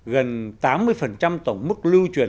gần tám mươi tổng mức lưu truyền